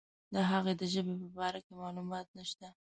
د هغه د ژبې په باره کې معلومات نشته.